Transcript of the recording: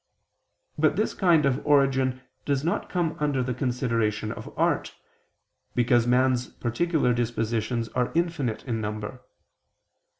But this kind of origin does not come under the consideration of art, because man's particular dispositions are infinite in number.